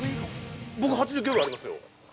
◆僕、８０キロぐらいありますよ。